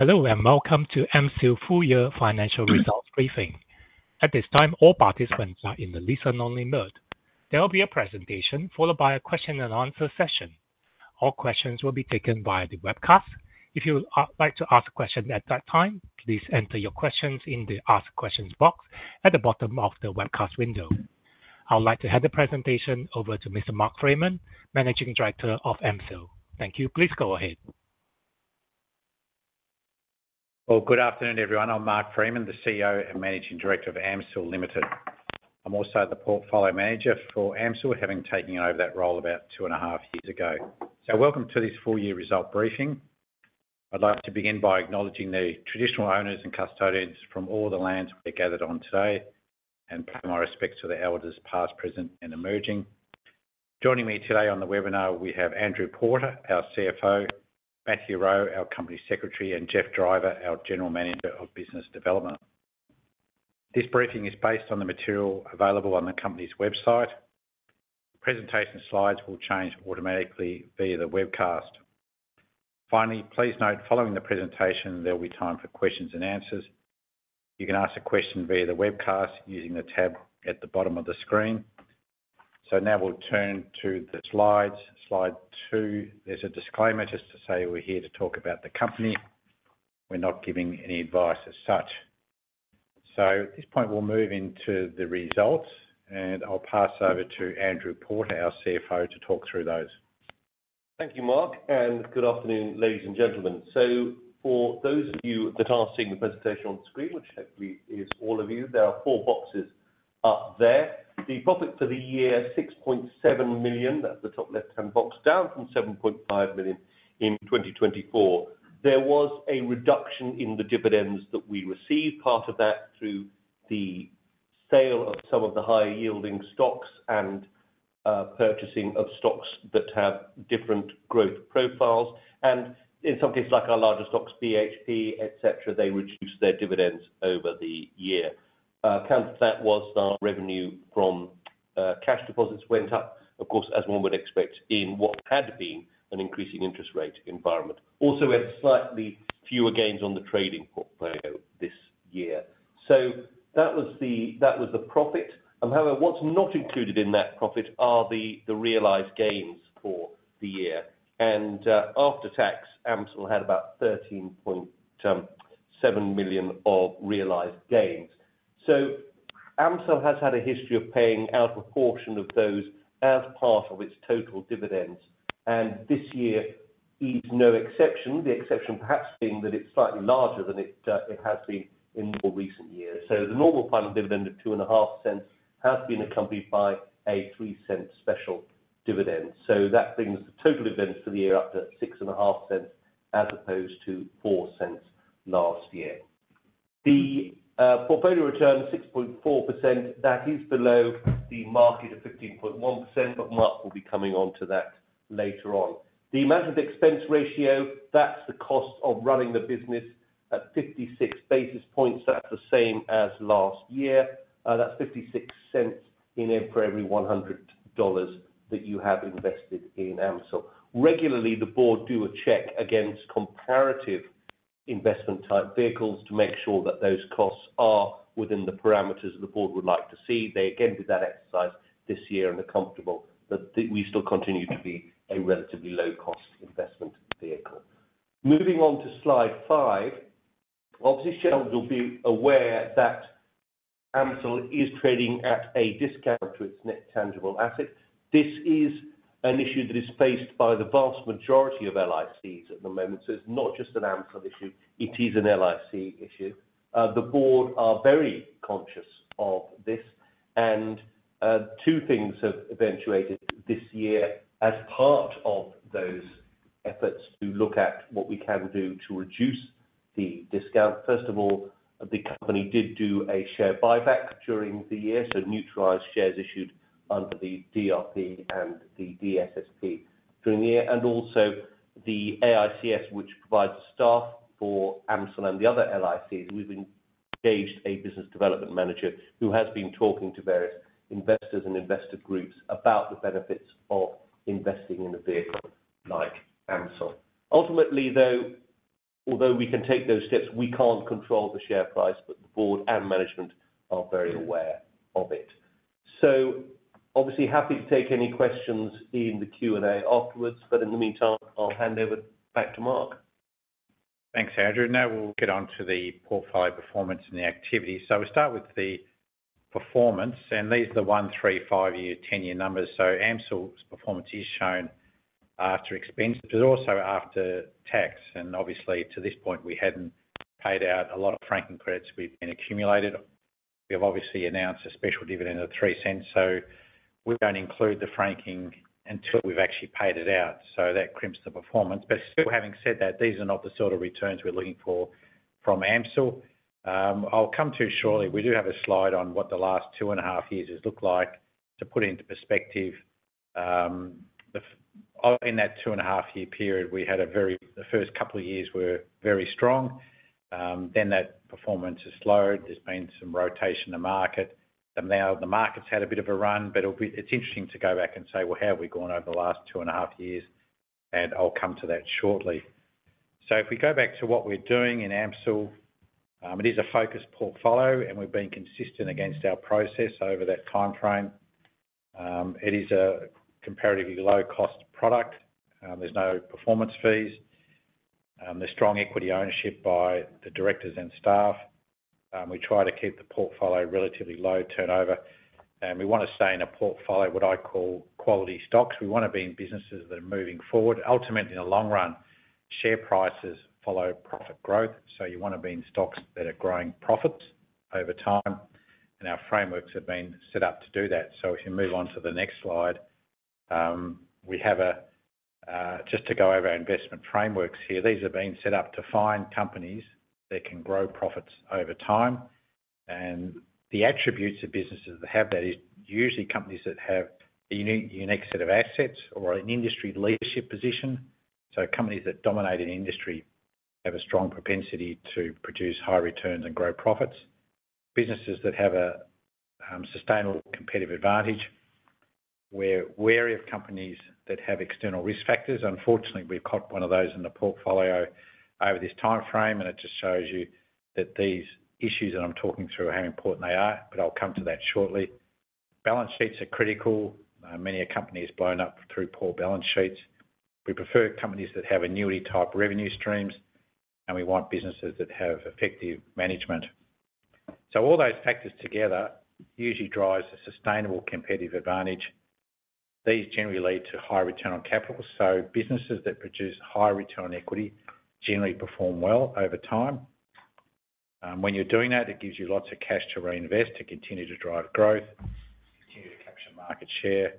Hello and welcome to AMCIL's full-year financial results briefing. At this time, all participants are in the listen-only mode. There will be a presentation followed by a question and answer session. All questions will be taken via the webcast. If you would like to ask a question at that time, please enter your questions in the ask questions box at the bottom of the webcast window. I would like to hand the presentation over to Mr. Mark Freeman, Managing Director of AMCIL. Thank you. Please go ahead. Good afternoon, everyone. I'm Mark Freeman, the CEO and Managing Director of AMCIL Ltd. I'm also the Portfolio Manager for AMCIL, having taken over that role about 2.5 years ago. Welcome to this full-year result briefing. I'd like to begin by acknowledging the traditional owners and custodians from all the lands we're gathered on today and pay my respects to the elders past, present, and emerging. Joining me today on the webinar, we have Andrew Porter, our CFO, Matthew Rowe, our Company Secretary, and Geoffrey Driver, our General Manager of Business Development. This briefing is based on the material available on the company's website. Presentation slides will change automatically via the webcast. Please note following the presentation, there will be time for questions and answers. You can ask a question via the webcast using the tab at the bottom of the screen. Now we'll turn to the slides. Slide two, there's a disclaimer just to say we're here to talk about the company. We're not giving any advice as such. At this point, we'll move into the results, and I'll pass over to Andrew Porter, our CFO, to talk through those. Thank you, Mark, and good afternoon, ladies and gentlemen. For those of you that are seeing the presentation on screen, which actually is all of you, there are four boxes up there. The profit for the year is $6.7 million. That's the top left-hand box, down from $7.5 million in 2023. There was a reduction in the dividends that we received, part of that through the sale of some of the higher yielding stocks and purchasing of stocks that have different growth profiles. In some cases, like our larger stocks, BHP, etc., they reduced their dividends over the year. That was that our revenue from cash deposits went up, of course, as one would expect in what had been an increasing interest rate environment. We had slightly fewer gains on the trading portfolio this year. That was the profit. However, what's not included in that profit are the realized gains for the year. After tax, AMCIL had about $13.7 million of realized gains. AMCIL has had a history of paying out a portion of those as part of its total dividends. This year is no exception, the exception perhaps being that it's slightly larger than it has been in more recent years. The normal final dividend of $0.025 has been accompanied by a $0.03 special dividend. That brings the total dividends for the year up to $0.065 as opposed to $0.04 last year. The portfolio return is 6.4%. That is below the market of 15.1%, but Mark will be coming on to that later on. The management expense ratio, that's the cost of running the business at 56 basis points, so that's the same as last year. That's $0.56 for every $100 that you have invested in AMCIL. Regularly, the board does a check against comparative investment type vehicles to make sure that those costs are within the parameters that the board would like to see. They again did that exercise this year and are comfortable that we still continue to be a relatively low-cost investment vehicle. Moving on to slide five, this year you'll be aware that AMCIL is trading at a discount to its net tangible asset. This is an issue that is faced by the vast majority of listed investment companies at the moment. It's not just an AMCIL issue. It is a listed investment company issue. The board is very conscious of this. Two things have eventuated this year as part of those efforts to look at what we can do to reduce the discount. First of all, the company did do a share buyback during the year, so neutralized shares issued under the DRP and the DSSP during the year. The AICS, which provides staff for AMCIL and the other LICs, has engaged a Business Development Manager who has been talking to various investors and investor groups about the benefits of investing in a vehicle like AMCIL. Ultimately, though, although we can take those steps, we can't control the share price, but the Board and management are very aware of it. Obviously, happy to take any questions in the Q&A afterwards, but in the meantime, I'll hand over back to Mark. Thanks, Andrew. Now we'll get on to the portfolio performance and the activities. We'll start with the performance, and these are the 1, 3, 5-year, 10-year numbers. AMCIL's performance is shown after expenses, but also after tax. Obviously, to this point, we hadn't paid out a lot of franking credits we'd been accumulating. We have obviously announced a special dividend of $0.03, so we don't include the franking until we've actually paid it out. That crimps the performance. Having said that, these are not the sort of returns we're looking for from AMCIL. I'll come to it shortly. We do have a slide on what the last 2.5 years have looked like to put it into perspective. In that 2.5-year period, the first couple of years were very strong. That performance has slowed. There's been some rotation in the market. Now the market's had a bit of a run, but it's interesting to go back and say, how have we gone over the last 2.5 years? I'll come to that shortly. If we go back to what we're doing in AMCIL, it is a focused portfolio, and we've been consistent against our process over that timeframe. It is a comparatively low-cost product. There's no performance fees. There's strong equity ownership by the directors and staff. We try to keep the portfolio relatively low turnover, and we want to stay in a portfolio of what I call quality stocks. We want to be in businesses that are moving forward. Ultimately, in the long run, share prices follow profit growth. You want to be in stocks that are growing profits over time, and our frameworks have been set up to do that. If you move on to the next slide, just to go over our investment frameworks here, these have been set up to find companies that can grow profits over time. The attributes of businesses that have that are usually companies that have a unique set of assets or an industry leadership position. Companies that dominate an industry have a strong propensity to produce high returns and grow profits. Businesses that have a sustainable competitive advantage. We're wary of companies that have external risk factors. Unfortunately, we've caught one of those in the portfolio over this timeframe, and it just shows you that these issues that I'm talking through are how important they are, but I'll come to that shortly. Balance sheets are critical. Many companies blown up through poor balance sheets. We prefer companies that have annuity-type revenue streams, and we want businesses that have effective management. All those factors together usually drive a sustainable competitive advantage. These generally lead to high return on capital. Businesses that produce high return on equity generally perform well over time. When you're doing that, it gives you lots of cash to reinvest to continue to drive growth, continue to capture market share,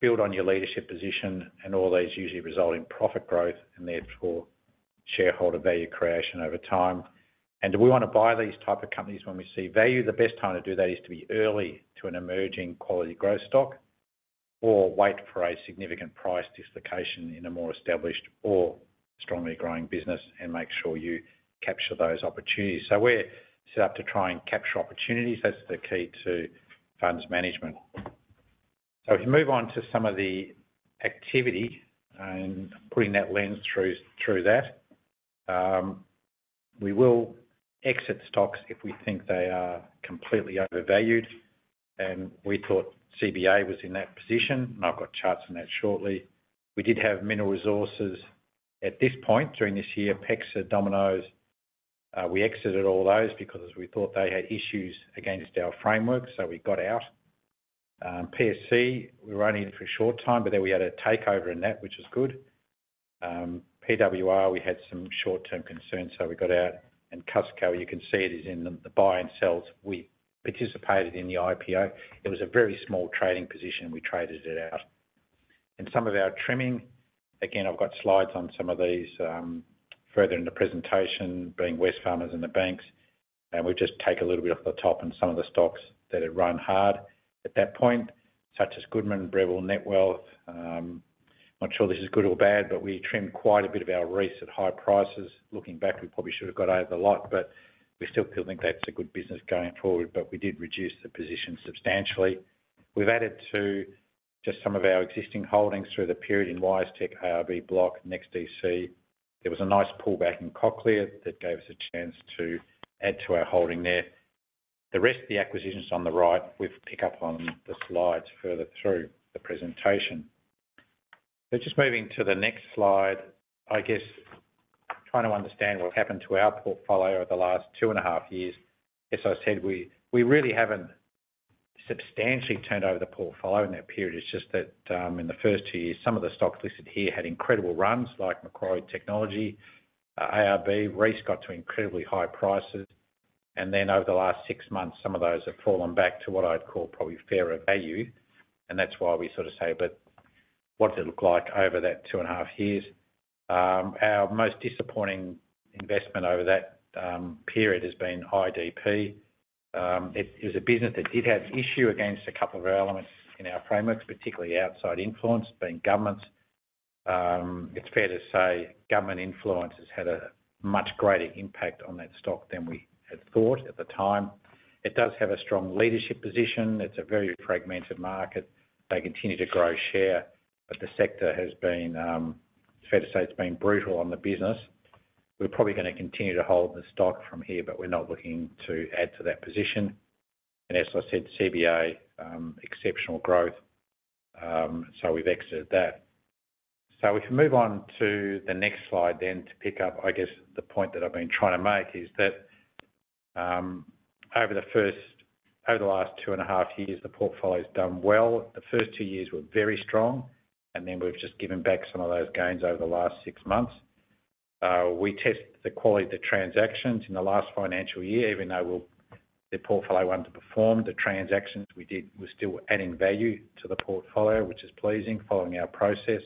build on your leadership position, and all those usually result in profit growth and therefore shareholder value creation over time. Do we want to buy these types of companies when we see value? The best time to do that is to be early to an emerging quality growth stock or wait for a significant price dislocation in a more established or strongly growing business and make sure you capture those opportunities. We're set up to try and capture opportunities. That's the key to funds management. If you move on to some of the activity and putting that lens through that, we will exit stocks if we think they are completely overvalued. We thought Commonwealth Bank was in that position, and I've got charts on that shortly. We did have Mineral Resources at this point during this year, Pexa, Domino’s. We exited all those because we thought they had issues against our framework, so we got out. PSC, we were running for a short time, but then we had a takeover in that, which was good. PWR Holdings, we had some short-term concerns, so we got out. Costco, you can see it is in the buy and sells. We participated in the IPO. It was a very small trading position. We traded it out. Some of our trimming, again, I've got slides on some of these further in the presentation, being Wesfarmers and the banks. We've just taken a little bit off the top and some of the stocks that had run hard at that point, such as Goodman, Breville, Netwealth. I'm not sure this is good or bad, but we trimmed quite a bit of our recent high prices. Looking back, we probably should have got out of the lot, but we still think that's a good business going forward. We did reduce the position substantially. We've added to just some of our existing holdings through the period in WiseTech, ARB, Block, and NEXTDC. There was a nice pullback in Cochlear that gave us a chance to add to our holding there. The rest of the acquisitions on the right, we'll pick up on the slides further through the presentation. Just moving to the next slide, I guess trying to understand what happened to our portfolio over the last 2.5 years. As I said, we really haven't substantially turned over the portfolio in that period. It's just that in the first two years, some of the stocks listed here had incredible runs like Macquarie Technology, ARB, Reece got to incredibly high prices. Over the last six months, some of those have fallen back to what I'd call probably fairer value. That's why we sort of say, what does it look like over that 2.5 years? Our most disappointing investment over that period has been IDP Education. It was a business that did have issues against a couple of elements in our frameworks, particularly outside influence, being governments. It's fair to say government influence has had a much greater impact on that stock than we had thought at the time. It does have a strong leadership position. It's a very fragmented market. They continue to grow share, but the sector has been, it's fair to say, it's been brutal on the business. We're probably going to continue to hold the stock from here, but we're not looking to add to that position. As I said, Commonwealth Bank, exceptional growth. We've exited that. If you move on to the next slide then to pick up, I guess the point that I've been trying to make is that over the last 2.5 years, the portfolio has done well. The first two years were very strong, and we've just given back some of those gains over the last six months. We test the quality of the transactions in the last financial year. Even though the portfolio wanted to perform, the transactions we did were still adding value to the portfolio, which is pleasing following our process.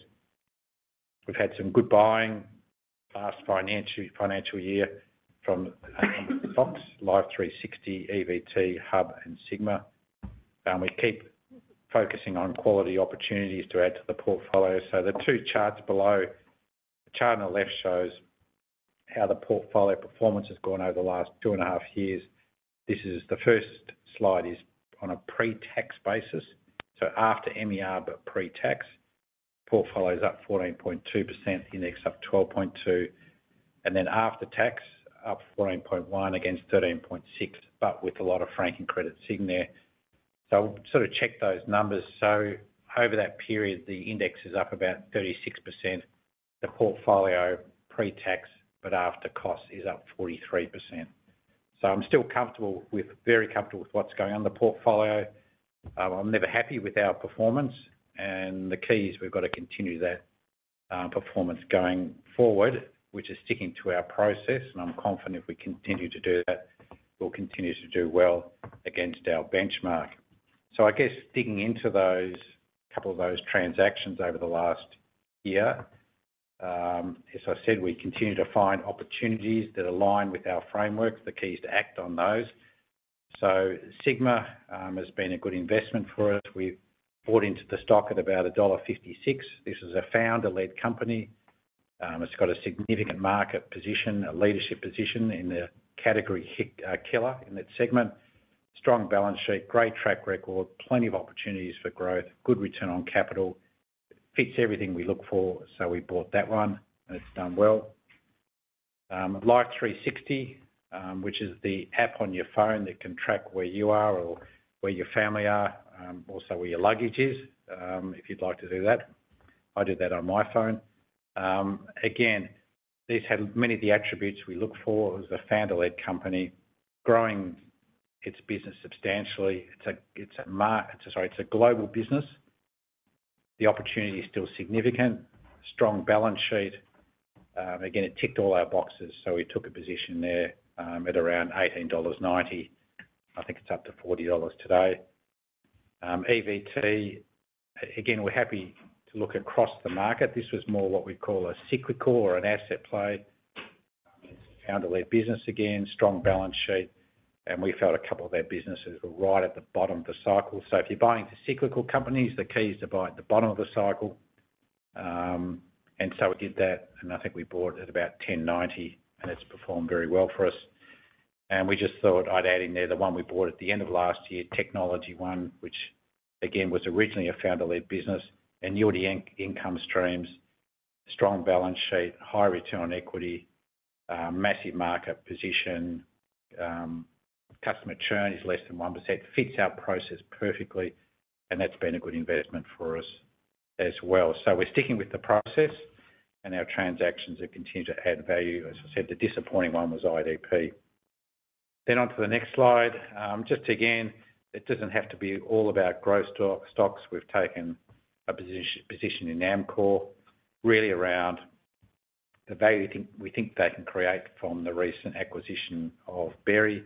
We've had some good buying last financial year from Block, Life360, EVT, Hub, and Sigma Healthcare. We keep focusing on quality opportunities to add to the portfolio. The two charts below, the chart on the left shows how the portfolio performance has gone over the last 2.5 years. This first slide is on a pre-tax basis. After management expense ratio, but pre-tax, portfolio is up 14.2%, index up 12.2%, and then after tax, up 14.1% against 13.6%, but with a lot of franking credits sitting there. I'll sort of check those numbers. Over that period, the index is up about 36%, the portfolio pre-tax, but after cost is up 43%. I'm still comfortable with, very comfortable with what's going on in the portfolio. I'm never happy with our performance, and the key is we've got to continue that performance going forward, which is sticking to our process. I'm confident if we continue to do that, we'll continue to do well against our benchmark. I guess digging into those, a couple of those transactions over the last year, as I said, we continue to find opportunities that align with our frameworks. The key is to act on those. Sigma has been a good investment for us. We bought into the stock at about $1.56. This is a founder-led company. It's got a significant market position, a leadership position in the category killer in that segment. Strong balance sheet, great track record, plenty of opportunities for growth, good return on capital, fits everything we look for. We bought that one, and it's done well. Life360, which is the app on your phone that can track where you are or where your family are, also where your luggage is, if you'd like to do that. I do that on my phone. Again, these had many of the attributes we look for. It was a founder-led company, growing its business substantially. It's a global business. The opportunity is still significant. Strong balance sheet. Again, it ticked all our boxes, so we took a position there at around $18.90. I think it's up to $40 today. EVT, again, we're happy to look across the market. This was more what we call a cyclical or an asset play. Founder-led business again, strong balance sheet, and we felt a couple of their businesses were right at the bottom of the cycle. If you're buying into cyclical companies, the key is to buy at the bottom of the cycle. We did that, and I think we bought at about $10.90, and it's performed very well for us. I just thought I'd add in there the one we bought at the end of last year, Technology One, which again was originally a founder-led business, annuity income streams, strong balance sheet, high return on equity, massive market position, customer churn is less than 1%, fits our process perfectly, and that's been a good investment for us as well. We're sticking with the process, and our transactions have continued to add value. As I said, the disappointing one was IDP. On to the next slide, just again, it doesn't have to be all about growth stocks. We've taken a position in Amcor really around the value we think they can create from the recent acquisition of Berry.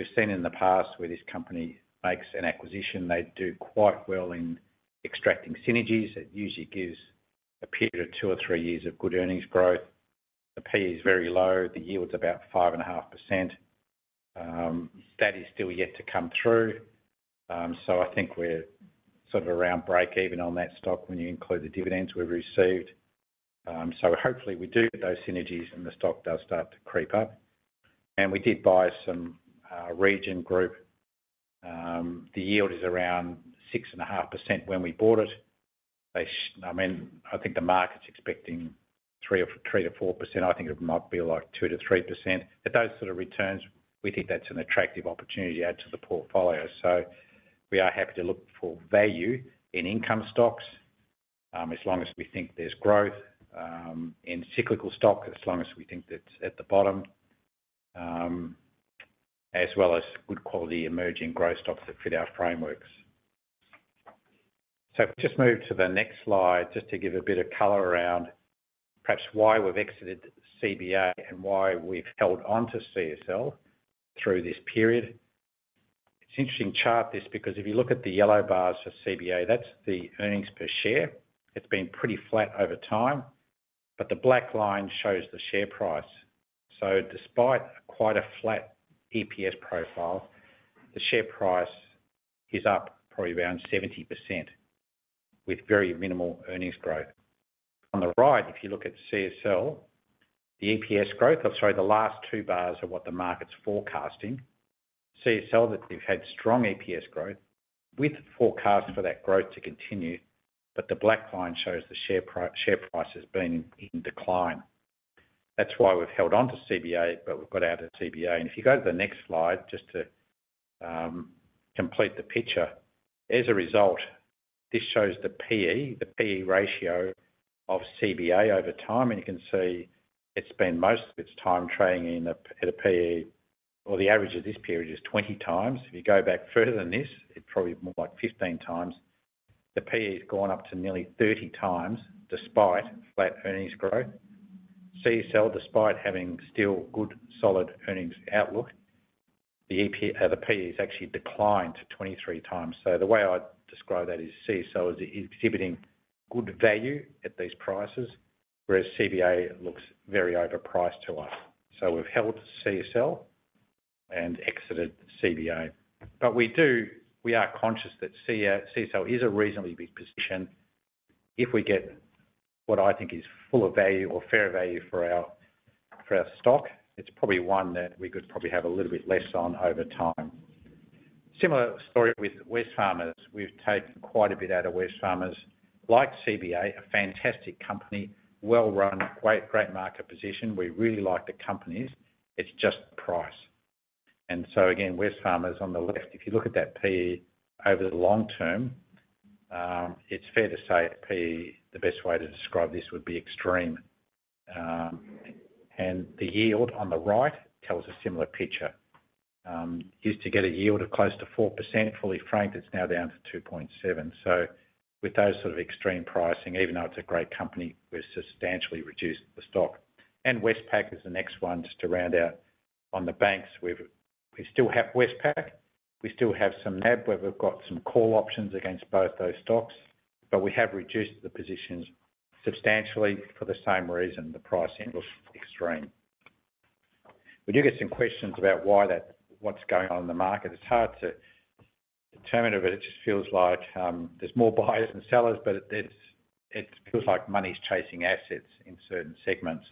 We've seen in the past where this company makes an acquisition, they do quite well in extracting synergies. It usually gives a period of 2-3 years of good earnings growth. The PE is very low. The yield is about 5.5%. That is still yet to come through. I think we're sort of around break even on that stock when you include the dividends we've received. Hopefully, we do get those synergies and the stock does start to creep up. We did buy some Region Group. The yield is around 6.5% when we bought it. I think the market's expecting 3%-4%. I think it might be like 2%-3%. Those sort of returns, we think that's an attractive opportunity to add to the portfolio. We are happy to look for value in income stocks as long as we think there's growth in cyclical stock, as long as we think that's at the bottom, as well as good quality emerging growth stocks that fit our frameworks. We'll just move to the next slide just to give a bit of color around perhaps why we've exited Commonwealth Bank and why we've held on to CSL through this period. It's an interesting chart this because if you look at the yellow bars for Commonwealth Bank, that's the earnings per share. It's been pretty flat over time, but the black line shows the share price. Despite quite a flat EPS profile, the share price is up probably around 70% with very minimal earnings growth. On the right, if you look at CSL, the EPS growth, I'm sorry, the last two bars are what the market's forecasting. CSL, they've had strong EPS growth with forecast for that growth to continue, but the black line shows the share price has been in decline. That's why we've held on to CSL, but we've got out of Commonwealth Bank. If you go to the next slide, just to complete the picture, as a result, this shows the PE, the PE ratio of Commonwealth Bank over time. You can see it's been most of its time trading in at a PE, or the average of this period is 20 times. If you go back further than this, it's probably more like 15 times. The PE has gone up to nearly 30 times despite flat earnings growth. CSL, despite having still good solid earnings outlook, the PE has actually declined to 23 times. The way I describe that is CSL is exhibiting good value at these prices, whereas Commonwealth Bank looks very overpriced to us. We've held CSL and exited Commonwealth Bank. We are conscious that CSL is a reasonably big position. If we get what I think is full of value or fair value for our stock, it's probably one that we could probably have a little bit less on over time. Similar story with Wesfarmers. We've taken quite a bit out of Wesfarmers. Like CBA, a fantastic company, well run, great market position. We really like the companies. It's just the price. Again, Wesfarmers on the left, if you look at that PE over the long term, it's fair to say the PE, the best way to describe this would be extreme. The yield on the right tells a similar picture, is to get a yield of close to 4%. Fully franked, it's now down to 2.7%. With those sort of extreme pricing, even though it's a great company, we've substantially reduced the stock. Westpac is the next one just to round out. On the banks, we still have Westpac. We still have some NAB where we've got some call options against both those stocks, but we have reduced the positions substantially for the same reason. The pricing looks extreme. We do get some questions about why that, what's going on in the market. It's hard to determine it, but it just feels like there's more buyers than sellers, but it feels like money's chasing assets in certain segments,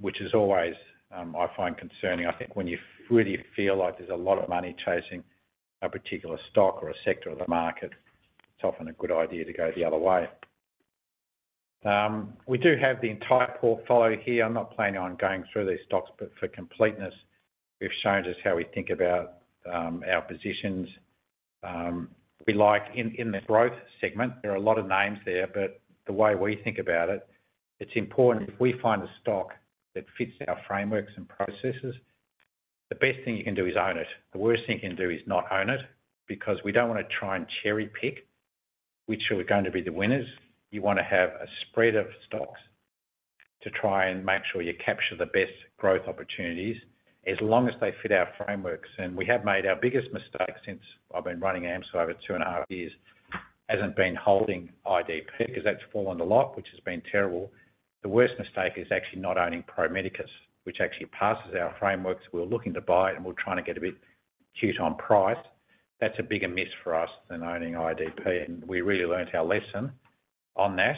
which is always, I find, concerning. I think when you really feel like there's a lot of money chasing a particular stock or a sector of the market, it's often a good idea to go the other way. We do have the entire portfolio here. I'm not planning on going through these stocks, but for completeness, we've shown just how we think about our positions. We like, in the growth segment, there are a lot of names there, but the way we think about it, it's important if we find a stock that fits our frameworks and processes, the best thing you can do is own it. The worst thing you can do is not own it because we don't want to try and cherry pick which are going to be the winners. You want to have a spread of stocks to try and make sure you capture the best growth opportunities as long as they fit our frameworks. We have made our biggest mistake since I've been running AMCIL over 2.5 years, hasn't been holding IDP because that's fallen a lot, which has been terrible. The worst mistake is actually not owning Prometheus, which actually passes our frameworks. We're looking to buy it and we're trying to get a bit cute on price. That's a bigger miss for us than owning IDP. We really learned our lesson on that,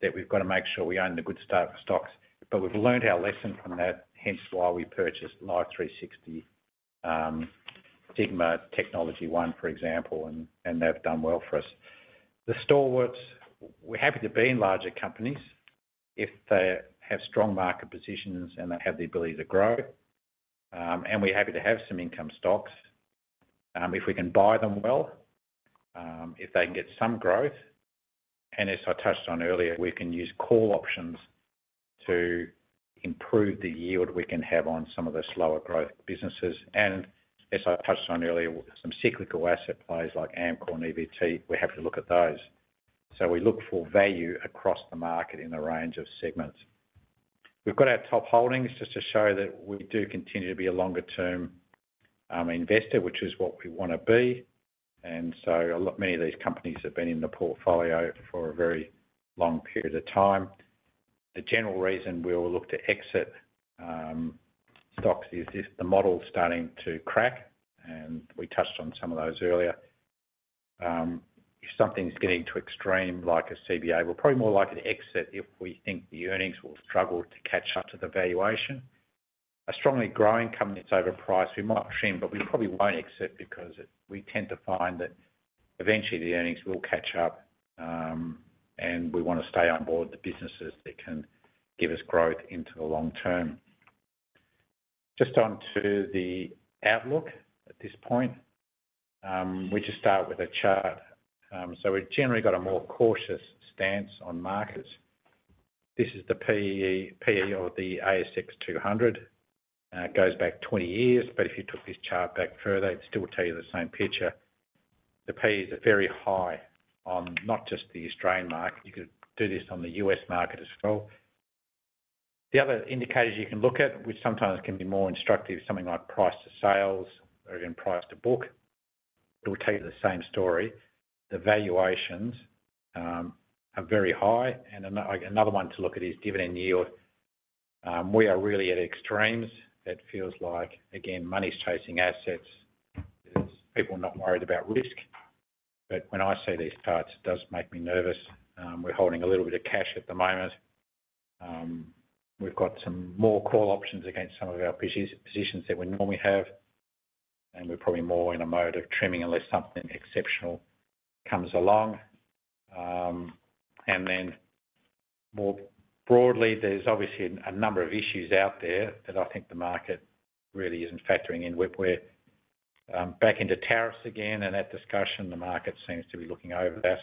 that we've got to make sure we own the good stocks. We've learned our lesson from that, hence why we purchased Life360, Sigma, Technology One, for example, and they've done well for us. The stalwarts, we're happy to be in larger companies if they have strong market positions and they have the ability to grow. We're happy to have some income stocks if we can buy them well, if they can get some growth. As I touched on earlier, we can use call options to improve the yield we can have on some of the slower growth businesses. As I touched on earlier, some cyclical asset plays like Amcor and EVT, we're happy to look at those. We look for value across the market in the range of segments. We've got our top holdings just to show that we do continue to be a longer-term investor, which is what we want to be. Many of these companies have been in the portfolio for a very long period of time. The general reason we will look to exit stocks is if the model is starting to crack, and we touched on some of those earlier. If something's getting too extreme, like a CBA, we're probably more likely to exit if we think the earnings will struggle to catch up to the valuation. A strongly growing company that's overpriced, we might assume, but we probably won't exit because we tend to find that eventually the earnings will catch up. We want to stay on board the businesses that can give us growth into the long term. On to the outlook at this point, we just start with a chart. We've generally got a more cautious stance on markets. This is the PE of the ASX 200. It goes back 20 years, but if you took this chart back further, it'd still tell you the same picture. The PE is very high on not just the Australian market. You could do this on the U.S. market as well. The other indicators you can look at, which sometimes can be more instructive, something like price to sales or even price to book, it'll tell you the same story. The valuations are very high. Another one to look at is dividend yield. We are really at extremes. It feels like, again, money's chasing assets. People are not worried about risk. When I see these charts, it does make me nervous. We're holding a little bit of cash at the moment. We've got some more call options against some of our positions than we normally have. We're probably more in a mode of trimming unless something exceptional comes along. More broadly, there's obviously a number of issues out there that I think the market really isn't factoring in. We're back into tariffs again, and that discussion, the market seems to be looking over that.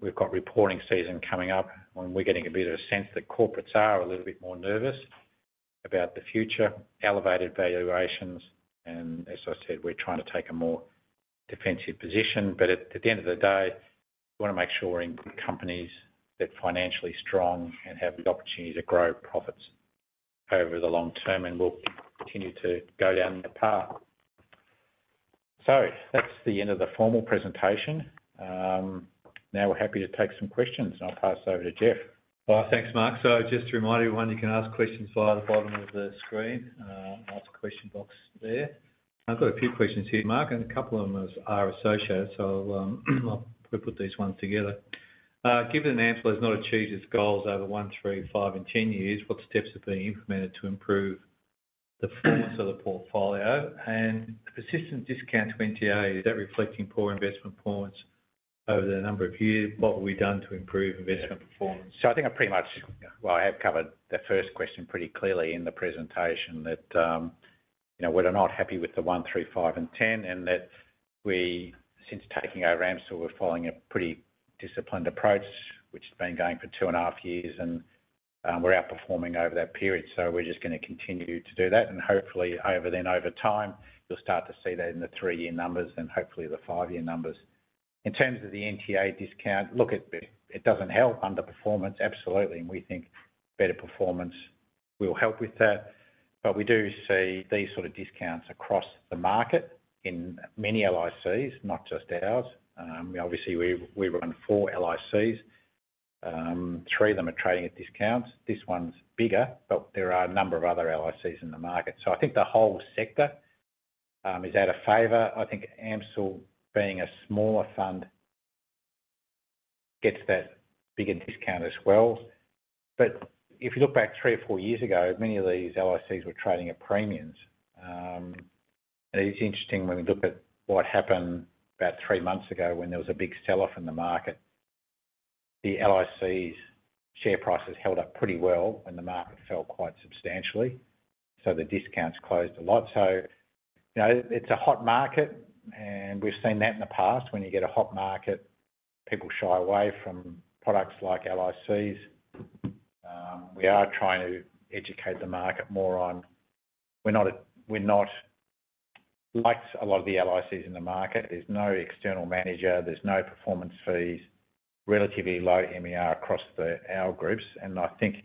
We've got reporting season coming up when we're getting a bit of a sense that corporates are a little bit more nervous about the future, elevated valuations. As I said, we're trying to take a more defensive position. At the end of the day, we want to make sure in companies that are financially strong and have the opportunity to grow profits over the long term. We'll continue to go down that path. That's the end of the formal presentation. Now we're happy to take some questions, and I'll pass over to Geoff. Thanks, Mark. Just to remind everyone, you can ask questions via the bottom of the screen, and I'll answer the question box there. I've got a few questions here, Mark, and a couple of them are associated. I'll put these ones together. Given that AMCIL has not achieved its goals over 1, 3, 5, and 10 years, what steps have been implemented to improve the performance of the portfolio? The persistent discount to NTA, is that reflecting poor investment performance over the number of years? What will be done to improve investment performance? I think I've pretty much, I have covered the first question pretty clearly in the presentation that, you know, we're not happy with the 1, 3, 5, and 10, and that we, since taking over AMCIL, we're following a pretty disciplined approach, which has been going for 2.5 years, and we're outperforming over that period. We're just going to continue to do that. Hopefully, over time, you'll start to see that in the three-year numbers and hopefully the five-year numbers. In terms of the NTA discount, look at it, it doesn't help underperformance, absolutely. We think better performance will help with that. We do see these sort of discounts across the market in many LICs, not just ours. We obviously, we run four LICs. Three of them are trading at discounts. This one's bigger, but there are a number of other LICs in the market. I think the whole sector is out of favor. I think AMCIL, being a smaller fund, gets that bigger discount as well. If you look back 3-4 years ago, many of these LICs were trading at premiums. It's interesting when we look at what happened about three months ago when there was a big sell-off in the market. The LICs' share prices held up pretty well and the market fell quite substantially. The discounts closed a lot. It's a hot market and we've seen that in the past when you get a hot market, people shy away from products like LICs. We are trying to educate the market more on we're not like a lot of the LICs in the market. There's no external manager, there's no performance fees, relatively low management expense ratio across our groups. I think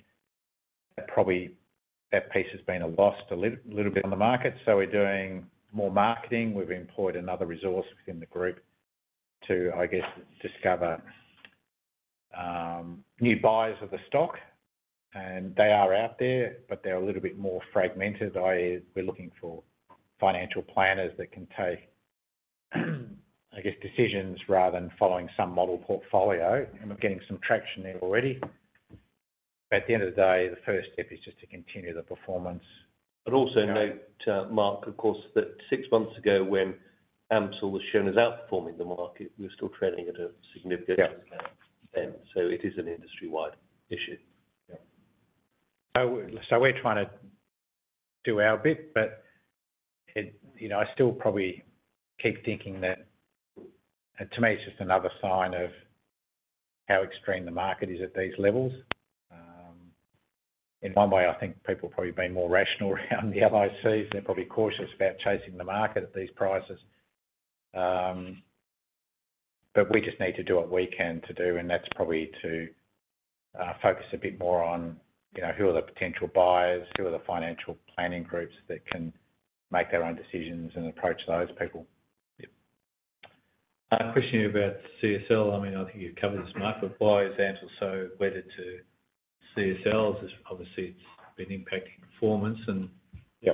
probably that piece has been lost a little bit on the market. We are doing more marketing. We've employed another resource within the group to, I guess, discover new buyers of the stock. They are out there, but they're a little bit more fragmented. We are looking for financial planners that can take, I guess, decisions rather than following some model portfolio. We're getting some traction there already. At the end of the day, the first step is just to continue the performance. Also note, Mark, of course, that six months ago when AMCIL was shown as outperforming the market, you're still trading at a significant discount. It is an industry-wide issue. We're trying to do our bit, but I still probably keep thinking that to me it's just another sign of how extreme the market is at these levels. In one way, I think people are probably being more rational around the LICs and they're probably cautious about chasing the market at these prices. We just need to do what we can to do, and that's probably to focus a bit more on, you know, who are the potential buyers, who are the financial planning groups that can make their own decisions and approach those people. A question about CSL. I think you've covered this market by example, so whether to CSL, obviously it's been impacting performance. Yeah,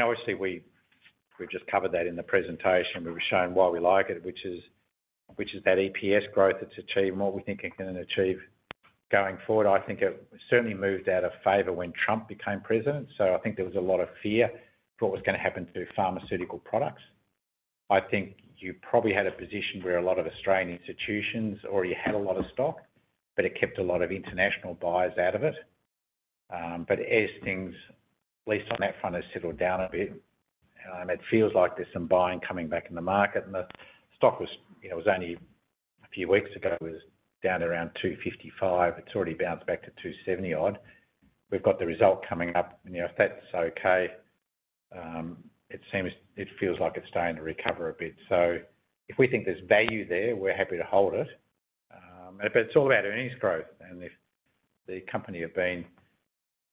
obviously we just covered that in the presentation. We were shown why we like it, which is that EPS growth it's achieving and what we think it can achieve going forward. I think it certainly moved out of favor when Trump became president. I think there was a lot of fear for what was going to happen to pharmaceutical products. You probably had a position where a lot of Australian institutions already had a lot of stock, but it kept a lot of international buyers out of it. As things, at least on that front, have settled down a bit, it feels like there's some buying coming back in the market. The stock was only a few weeks ago down around $255. It's already bounced back to $270 odd. We've got the result coming up. If that's okay, it feels like it's starting to recover a bit. If we think there's value there, we're happy to hold it. It's all about earnings growth. The company had been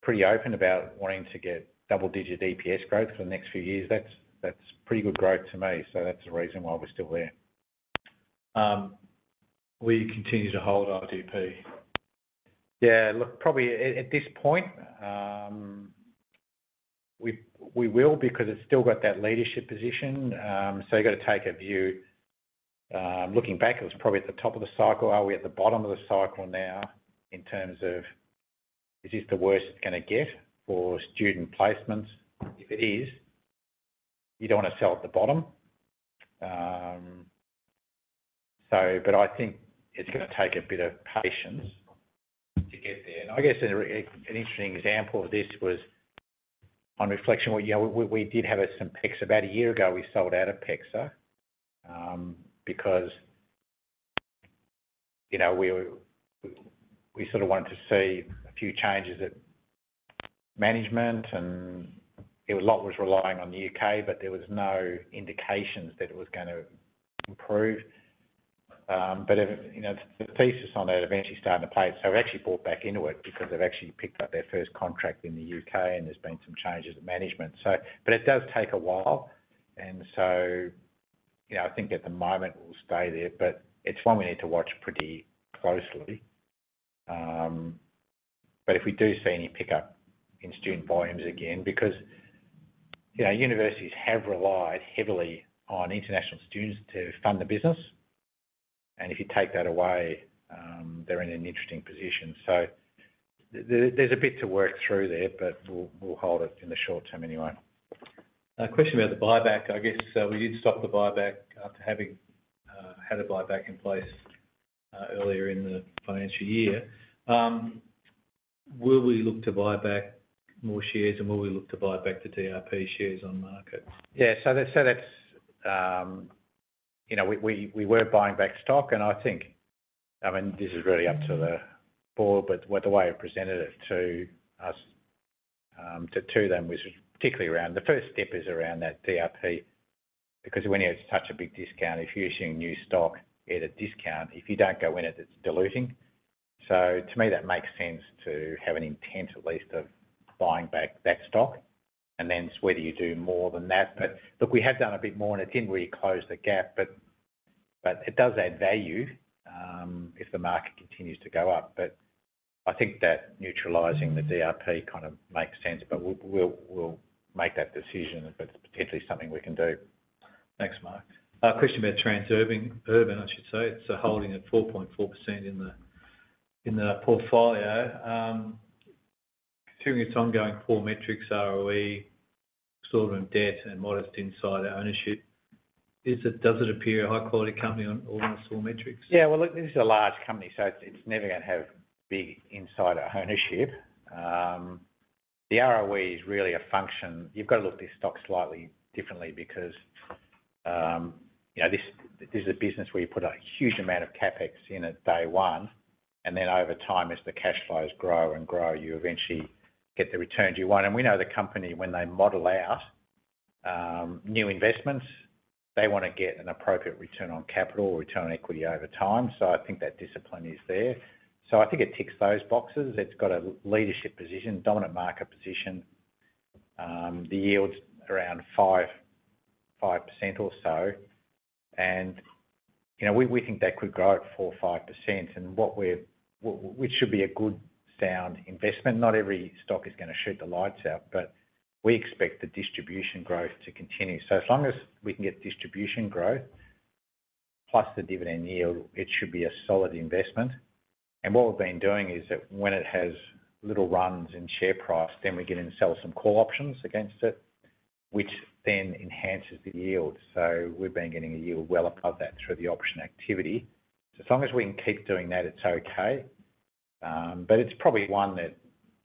pretty open about wanting to get double-digit EPS growth for the next few years. That's pretty good growth to me. That's the reason why we're still there. Will you continue to hold IDP? Yeah, look, probably at this point, we will because it's still got that leadership position. You've got to take a view. Looking back, it was probably at the top of the cycle. Are we at the bottom of the cycle now in terms of is this the worst it's going to get for student placements? If it is, you don't want to sell at the bottom. I think it's going to take a bit of patience to get there. I guess an interesting example of this was on reflection, we did have some PEX about a year ago. We sold out of PEX because we sort of wanted to see a few changes in management and a lot was relying on the U.K., but there were no indications that it was going to improve. The thesis on that eventually started to play it. I've actually bought back into it because they've actually picked up their first contract in the U.K. and there's been some changes at management. It does take a while. I think at the moment we'll stay there, but it's one we need to watch pretty closely. If we do see any pickup in student volumes again, because universities have relied heavily on international students to fund the business, and if you take that away, they're in an interesting position. There's a bit to work through there, but we'll hold it in the short term anyway. Question about the buyback. I guess we did stop the buyback after having had a buyback in place earlier in the financial year. Will we look to buy back more shares, and will we look to buy back the DRP shares on market? Yeah, so that's, you know, we were buying back stock and I think, I mean, this is really up to the board, but the way it presented it to us, to them, was particularly around the first step is around that DRP because when you have such a big discount, if you're seeing new stock at a discount, if you don't go in it, it's diluting. To me, that makes sense to have an intent at least of buying back that stock. Whether you do more than that, look, we have done a bit more and it didn't really close the gap, but it does add value if the market continues to go up. I think that neutralizing the DRP kind of makes sense, but we'll make that decision, but it's potentially something we can do. Thanks, Mark. Question about Transurban, I should say. Holding at 4.4% in the portfolio. Considering its ongoing core metrics, ROE, sort of debt, and modest insider ownership, does it appear a high-quality company on all those four metrics? Yeah, look, this is a large company, so it's never going to have big insider ownership. The ROE is really a function. You've got to look at this stock slightly differently because, you know, this is a business where you put a huge amount of CapEx in at day one, and then over time, as the cash flows grow and grow, you eventually get the returns you want. We know the company, when they model out new investments, they want to get an appropriate return on capital or return on equity over time. I think that discipline is there. I think it ticks those boxes. It's got a leadership position, dominant market position. The yield's around 5% or so. We think that could grow at 4% or 5%, which should be a good sound investment. Not every stock is going to shoot the lights out, but we expect the distribution growth to continue. As long as we can get distribution growth plus the dividend yield, it should be a solid investment. What we've been doing is that when it has little runs in share price, we get in and sell some call options against it, which then enhances the yield. We've been getting a yield well above that through the option activity. As long as we can keep doing that, it's okay. It's probably one that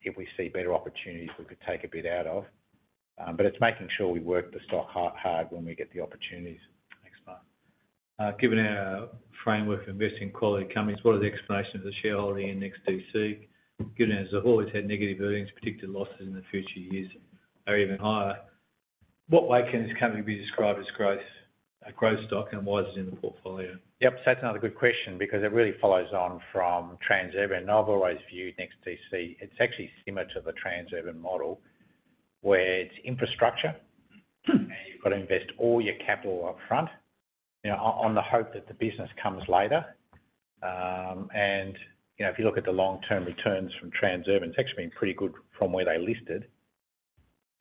if we see better opportunities, we could take a bit out of. It's making sure we work the stock hard when we get the opportunities. Thanks, Mark. Given our framework for investing in quality companies, what are the explanations of the shareholder in NEXTDC? Given as they've always had negative earnings, predicted losses in the future years are even higher. What way can this company be described as growth, a growth stock, and why is it in the portfolio? Yep, so that's another good question because it really follows on from Transurban. I've always viewed NEXTDC, it's actually similar to the Transurban model where it's infrastructure. You've got to invest all your capital upfront, you know, on the hope that the business comes later. If you look at the long-term returns from Transurban, it's actually been pretty good from where they listed.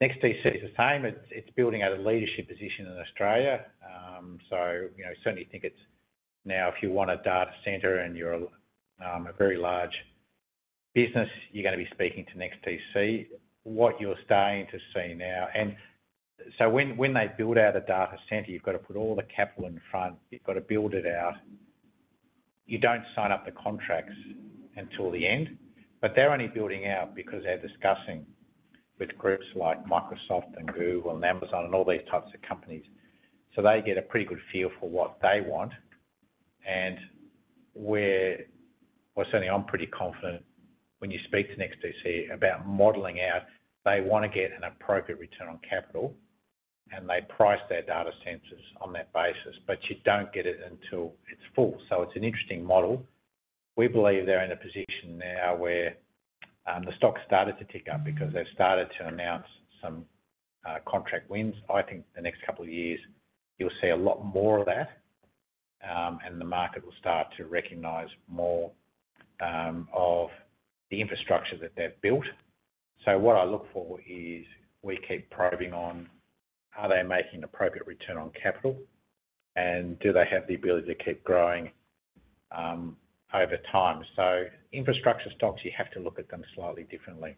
NEXTDC is the same. It's building out a leadership position in Australia. Certainly think it's now if you want a data center and you're a very large business, you're going to be speaking to NEXTDC. What you're starting to see now, when they build out a data center, you've got to put all the capital in front. You've got to build it out. You don't sign up the contracts until the end, but they're only building out because they're discussing with groups like Microsoft and Google and Amazon and all these types of companies. They get a pretty good feel for what they want. Certainly I'm pretty confident when you speak to NEXTDC about modeling out, they want to get an appropriate return on capital. They price their data centers on that basis, but you don't get it until it's full. It's an interesting model. We believe they're in a position now where the stock started to tick up because they've started to announce some contract wins. I think the next couple of years you'll see a lot more of that. The market will start to recognize more of the infrastructure that they've built. What I look for is we keep probing on, are they making an appropriate return on capital? Do they have the ability to keep growing over time? Infrastructure stocks, you have to look at them slightly differently.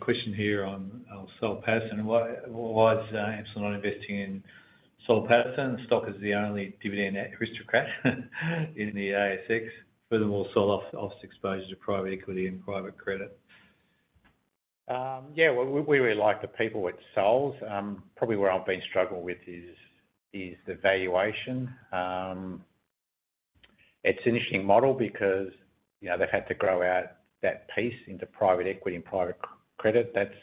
Question here on Soul Pattinson. Why is AMCIL not investing in Soul Pattinson? Stock is the only dividend aristocrat in the ASX. Furthermore, Sol offers exposure to private equity and private credit. Yeah, we really like the people it's sold. Probably where I've been struggling is the valuation. It's an interesting model because they've had to grow out that piece into private equity and private credit. That's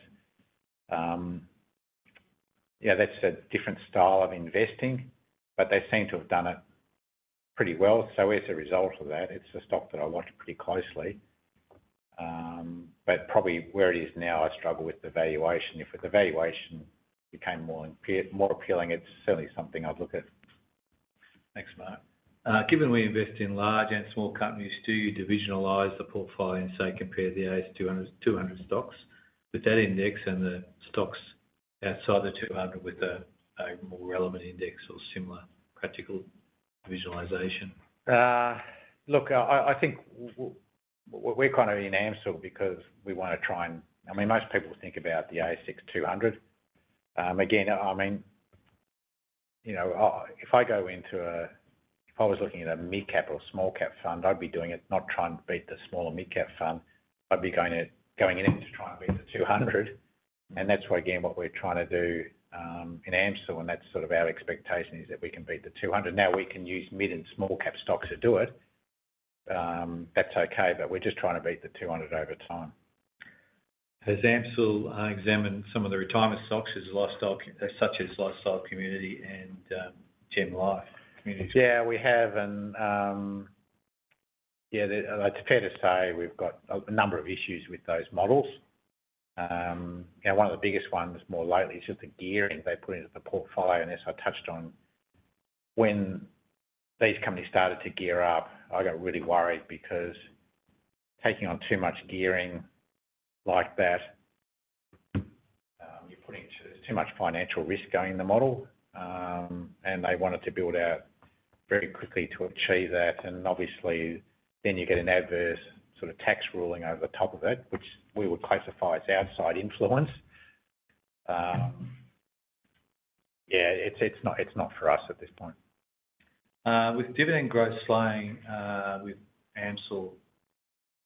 a different style of investing, but they seem to have done it pretty well. As a result of that, it's a stock that I like pretty closely. Probably where it is now, I struggle with the valuation. If the valuation became more appealing, it's certainly something I'd look at. Thanks, Mark. Given we invest in large and small companies, do you divisionalize the portfolio and say compare the ASX 200 stocks with that index and the stocks outside the 200 with a more relevant index or similar practical divisionalization? I think we're kind of in AMCIL because we want to try and, I mean, most people think about the ASX 200. If I go into a, if I was looking at a mid-cap or small-cap fund, I'd be doing it, not trying to beat the smaller mid-cap fund. I'd be going in it and trying to beat the 200. That's why what we're trying to do in AMCIL, and that's sort of our expectation is that we can beat the 200. Now we can use mid and small-cap stocks to do it. That's okay, but we're just trying to beat the 200 over time. Has AMCIL examined some of the retirement stocks such as Lifestyle Communities and GemLife? Yeah, we have. It's fair to say we've got a number of issues with those models. One of the biggest ones more lately is just the gearing they put into the portfolio. As I touched on, when these companies started to gear up, I got really worried because taking on too much gearing like that, you're putting too much financial risk going in the model. They wanted to build out very quickly to achieve that. Obviously, you get an adverse sort of tax ruling over the top of it, which we would classify as outside influence. It's not for us at this point. With dividend growth slowing with AMCIL,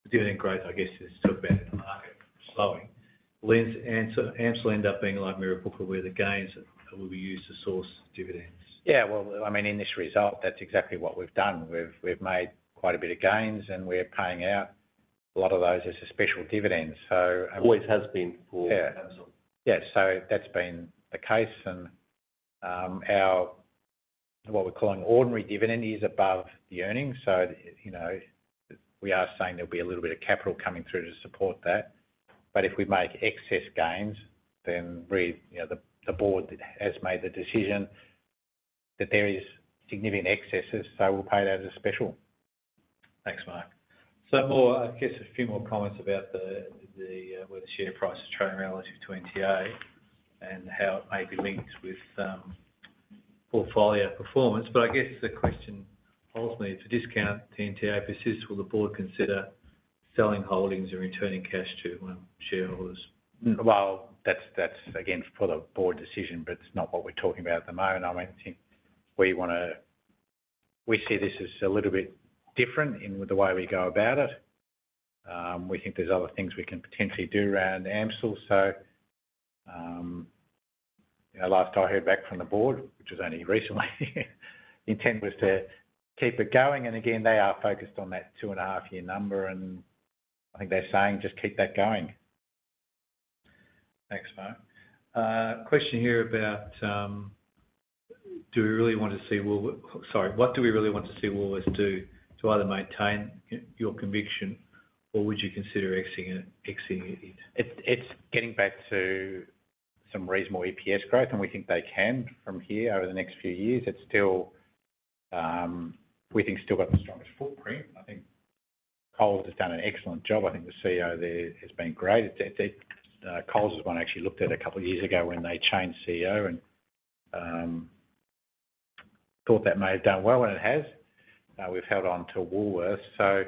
the dividend growth, I guess, is talking about it in the market slowing. AMCIL ends up being like Mirrabooka, where the gains will be used to source dividends. In this result, that's exactly what we've done. We've made quite a bit of gains, and we're paying out a lot of those as a special dividend. Always has been for AMCIL. Yeah, that's been the case. Our, what we're calling ordinary dividend, is above the earnings. We are saying there'll be a little bit of capital coming through to support that. If we make excess gains, then really, the board has made the decision that if there are significant excesses, we'll pay that as a special. Thanks, Mark. A few more comments about the share price trade relative to NTA and how it may be linked with portfolio performance. I guess the question ultimately, if the discount to NTA persists, will the board consider selling holdings or returning cash to shareholders? That's again for the board decision, but it's not what we're talking about at the moment. I mean, I think we want to, we see this as a little bit different in the way we go about it. We think there's other things we can potentially do around AMCIL. Last I heard back from the board, which was only recently, the intent was to keep it going. They are focused on that 2.5-year number. I think they're saying just keep that going. Thanks, Mark. Question here about what do we really want to see Woolworths do to either maintain your conviction or would you consider exiting it? It's getting back to some reasonable EPS growth, and we think they can from here over the next few years. We think it's still got the strongest footprint. I think Coles has done an excellent job. I think the CEO there has been great. Coles is one I actually looked at a couple of years ago when they changed CEO and thought that may have done well, and it has. We've held on to Woolworths.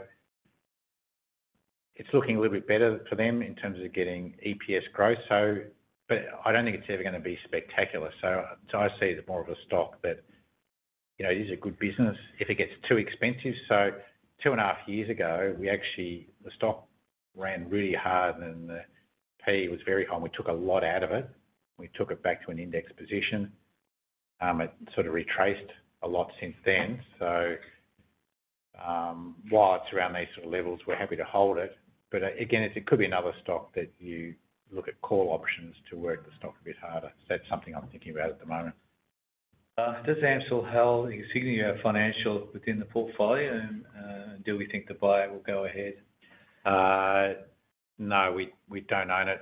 It's looking a little bit better for them in terms of getting EPS growth. I don't think it's ever going to be spectacular. I see it more of a stock that, you know, it is a good business if it gets too expensive. 2.5 years ago, the stock ran really hard and the PE was very high and we took a lot out of it. We took it back to an index position. It sort of retraced a lot since then. While it's around these sort of levels, we're happy to hold it. Again, it could be another stock that you look at call options to work the stock a bit harder. That's something I'm thinking about at the moment. Does AMCIL hold a Signature Financial within the portfolio? Do we think the buyout will go ahead? No, we don't own it.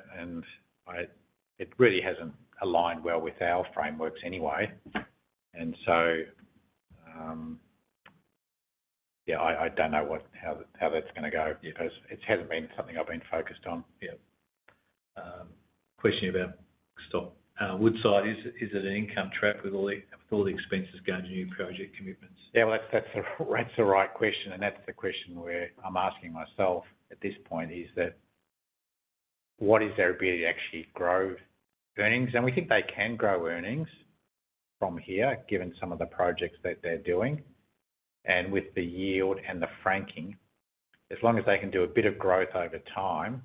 It really hasn't aligned well with our frameworks anyway. I don't know how that's going to go. It hasn't been something I've been focused on yet. Question about Woodside. Is it an income trap with all the expenses guarding your project commitments? Yeah, that's the right question. That's the question I'm asking myself at this point: what is their ability to actually grow earnings? We think they can grow earnings from here given some of the projects that they're doing. With the yield and the franking, as long as they can do a bit of growth over time,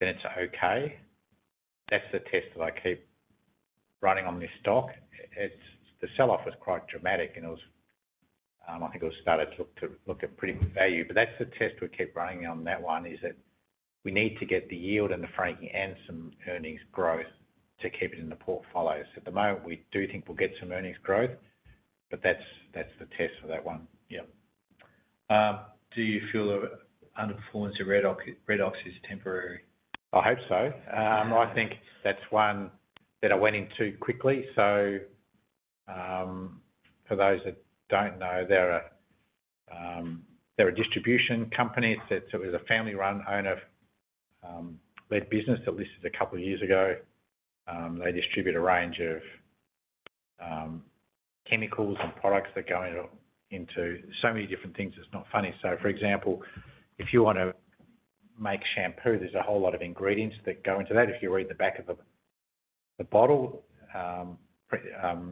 then it's okay. That's the test I keep running on this stock. The sell-off was quite dramatic, and I think it was starting to look at pretty value. That's the test we keep running on that one: we need to get the yield and the franking and some earnings growth to keep it in the portfolio. At the moment, we do think we'll get some earnings growth, but that's the test for that one. Yeah, do you feel the underperformance of Redox is temporary? I hope so. I think that's one that I went into quickly. For those that don't know, they're a distribution company. It was a family-run, owner-led business that listed a couple of years ago. They distribute a range of chemicals and products that go into so many different things, it's not funny. For example, if you want to make shampoo, there's a whole lot of ingredients that go into that. If you read the back of the bottle, Redox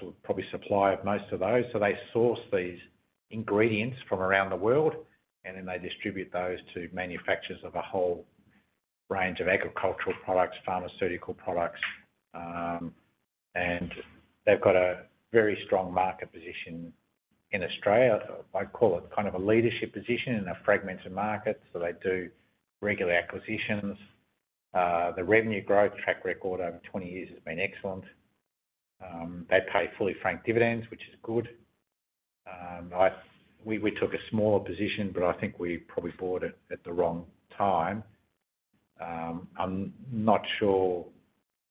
will probably supply most of those. They source these ingredients from around the world and then distribute those to manufacturers of a whole range of agricultural products and pharmaceutical products. They've got a very strong market position in Australia. I'd call it kind of a leadership position in a fragmented market. They do regular acquisitions. The revenue growth track record over 20 years has been excellent. They pay fully franked dividends, which is good. We took a smaller position, but I think we probably bought it at the wrong time. I'm not sure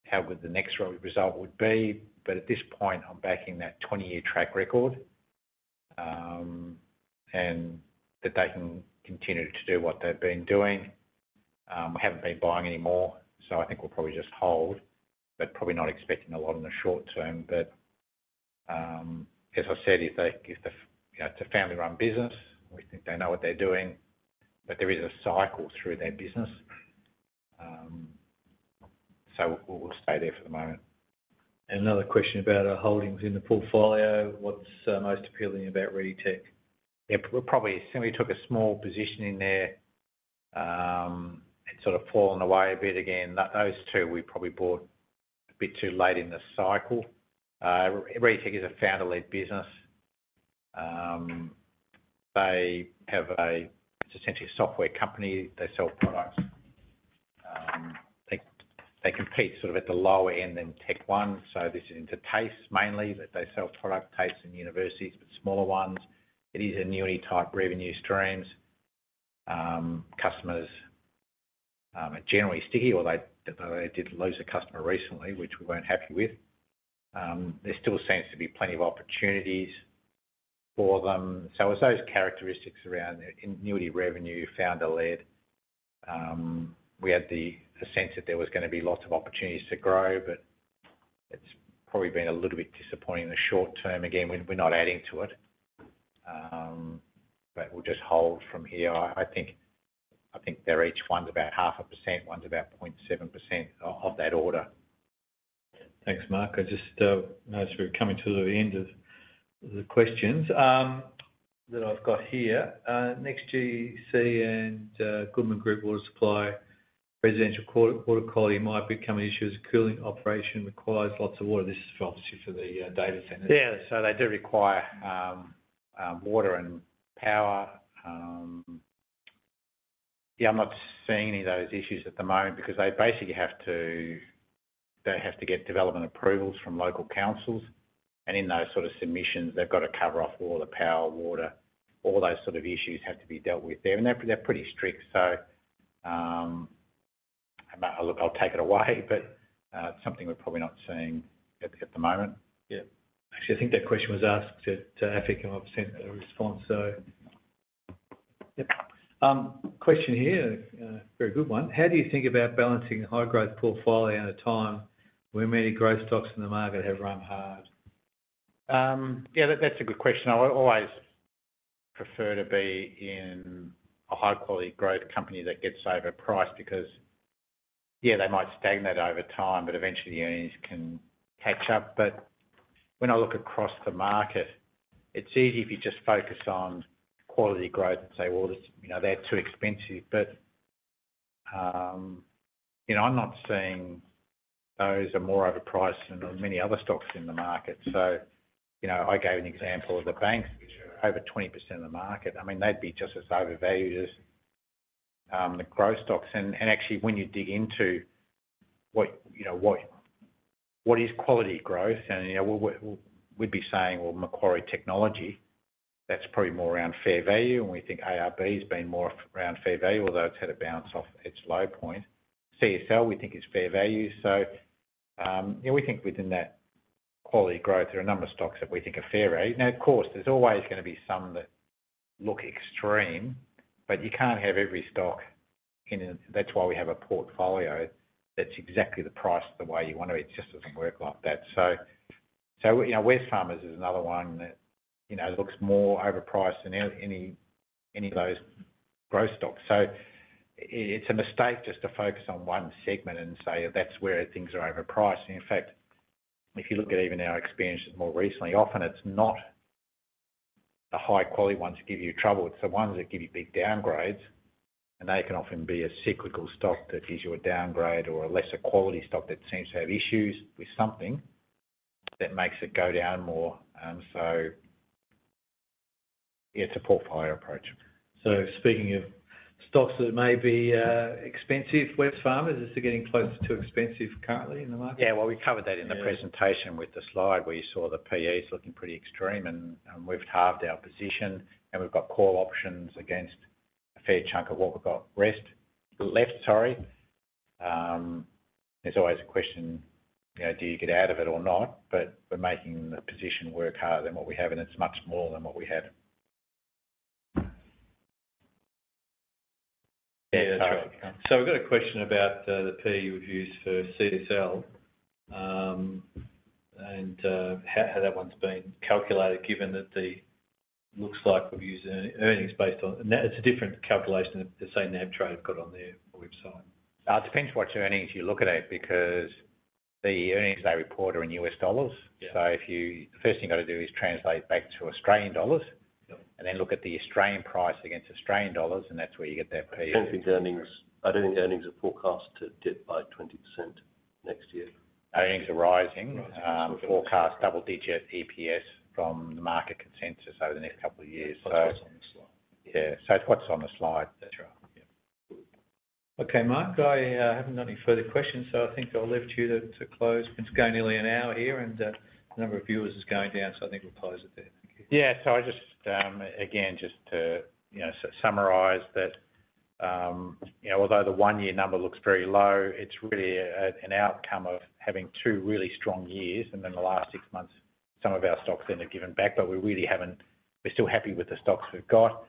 how good the next result would be, but at this point, I'm backing that 20-year track record and that they can continue to do what they've been doing. I haven't been buying anymore, so I think we'll probably just hold, but probably not expecting a lot in the short term. As I've said, if the family-run business, we think they know what they're doing, but there is a cycle through their business. We'll stay there for the moment. Another question about holdings in the portfolio. What's most appealing about ReadyTech? Yeah, we're probably similar. We took a small position in there. It's sort of fallen away a bit again. Those two we probably bought a bit too late in the cycle. ReadyTech is a founder-led business. They have essentially a software company. They sell products. They compete sort of at the lower end than Technology One. This is into TAFEs mainly that they sell products, TAFEs and universities, but smaller ones. It is annuity type revenue streams. Customers are generally sticky, though they did lose a customer recently, which we weren't happy with. There still seems to be plenty of opportunities for them. It was those characteristics around annuity revenue, founder-led. We had the sense that there was going to be lots of opportunities to grow, but it's probably been a little bit disappointing in the short term. Again, we're not adding to it, but we'll just hold from here. I think they're each one's about 0.5%, one's about 0.7% of that order. Thanks, Mark. I just noticed we're coming to the end of the questions that I've got here. NEXTDC and Goodman Group water supply, residential water quality might become an issue as a cooling operation requires lots of water. This is obviously for the data centers. Yeah, they do require water and power. I'm not seeing any of those issues at the moment because they basically have to get development approvals from local councils. In those submissions, they've got to cover off all the power, water, all those issues have to be dealt with there. They're pretty strict. I'll take it away, but it's something we're probably not seeing at the moment. Yeah, I think that question was asked to Africa and I've sent a response. Yep, question here, a very good one. How do you think about balancing a high growth portfolio at a time when many growth stocks in the market have run hard? Yeah, that's a good question. I always prefer to be in a high-quality growth company that gets overpriced because, yeah, they might stagnate over time, but eventually the earnings can catch up. When I look across the market, it's easy if you just focus on quality growth and say, well, you know, they're too expensive. I'm not seeing those are more overpriced than the many other stocks in the market. I gave an example of the banks, over 20% of the market. I mean, they'd be just as overvalued as the growth stocks. Actually, when you dig into what is quality growth, we'd be saying, Macquarie Technology, that's probably more around fair value. We think ARB has been more around fair value, although it's had a bounce off its low point. CSL, we think it's fair value. We think within that quality growth, there are a number of stocks that we think are fair value. Of course, there's always going to be some that look extreme, but you can't have every stock in. That's why we have a portfolio that's exactly the price the way you want to. It just doesn't work like that. Westfarmers is another one that looks more overpriced than any of those growth stocks. It's a mistake just to focus on one segment and say that's where things are overpriced. In fact, if you look at even our experience more recently, often it's not the high-quality ones that give you trouble. It's the ones that give you big downgrades. They can often be a cyclical stock that gives you a downgrade or a lesser quality stock that seems to have issues with something that makes it go down more. It's a portfolio approach. Speaking of stocks that may be expensive, Wesfarmers, is it getting close to expensive currently in the market? Yeah, we covered that in the presentation with the slide where you saw the PEs looking pretty extreme. We've halved our position and we've got call options against a fair chunk of what we've got left. There's always a question, you know, do you get out of it or not? We're making the position work harder than what we have, and it's much more than what we had. We've got a question about the PE reviews for CSL and how that one's been calculated, given that it looks like we're using earnings based on, and that's a different calculation that the same NAB trade has got on their website. It depends what earnings you look at because the earnings they report are in U.S. dollars. If you, the first thing you got to do is translate back to Australian dollars and then look at the Australian price against Australian dollars, and that's where you get that PE. I don't think earnings are forecast to dip by 20% next year. Earnings are rising. The forecast double-digit EPS from the market consensus over the next couple of years. It is on the slide. Yeah, it's what's on the slide. Okay, Mark, I haven't got any further questions, so I think I'll leave it to you to close. It's going nearly an hour here, and the number of viewers is going down, so I think we'll close it there. Yeah, just to summarize that, although the one-year number looks very low, it's really an outcome of having two really strong years, and then the last six months, some of our stocks have given back, but we really haven't, we're still happy with the stocks we've got.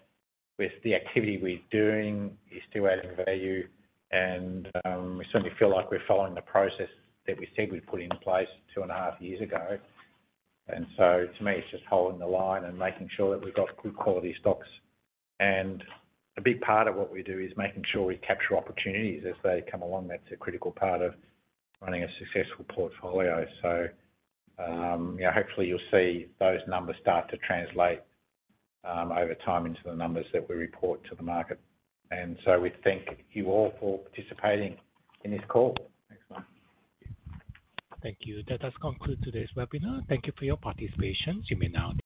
The activity we're doing is still adding value, and we certainly feel like we're following the process that we said we'd put in place 2.5 years ago. To me, it's just holding the line and making sure that we've got good quality stocks. A big part of what we do is making sure we capture opportunities as they come along. That's a critical part of running a successful portfolio. Hopefully you'll see those numbers start to translate over time into the numbers that we report to the market. We thank you all for participating in this call. Thanks, Mark. Thank you. That does conclude today's webinar. Thank you for your participation. Zooming out.